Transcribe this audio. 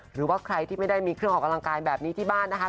หรือว่าใครที่ไม่ได้มีเครื่องออกกำลังกายแบบนี้ที่บ้านนะคะ